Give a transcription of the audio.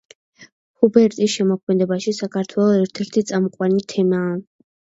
ჰუპერტის შემოქმედებაში საქართველო ერთ-ერთი წამყვანი თემაა.